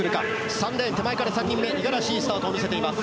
３レーン手前から３人目五十嵐、いいスタートを見せています。